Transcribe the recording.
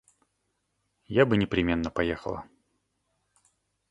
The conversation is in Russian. Я бы непременно поехала.